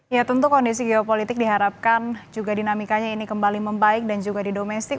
ya tentu kondisi geopolitik diharapkan juga dinamikanya ini kembali membaik dan juga di domestik